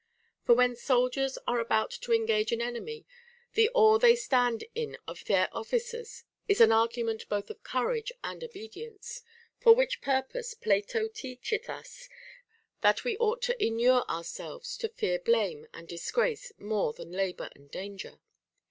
For when soldiers are about to engage an enemy, the awe they stand in of their officers is an argument both of cour age and obedience. For which purpose Plato teacheth us that we ought to inure ourselves to fear blame and disgrace more than labor and danger.